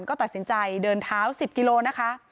ก็ตัดสินใจเดินเท้า๑๐กิโลนะคะ